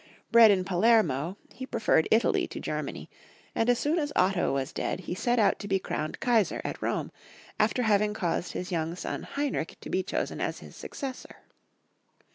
Bred in Palermo, he preferred Italy to Germany, and as soon as Otto was dead he set out to be crowned Kaisar at Rome, after having caused his young son Heinrich to be chosen as his successor.